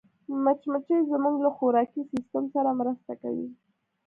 مچمچۍ زموږ له خوراکي سیسټم سره مرسته کوي